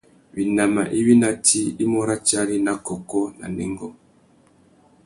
Winama iwí ná tsi i mú ratiari na kôkô na nêngô.